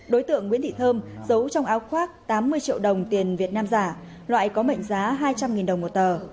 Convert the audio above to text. đối tượng nguyễn thị thơm giấu trong áo khoác tám mươi triệu đồng tiền việt nam giả loại có mệnh giá hai trăm linh đồng một tờ